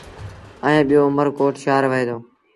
ائيٚݩ ٻيٚو اُمر ڪوٽ شآهر وهي دو۔